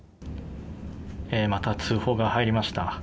また通報が入りました。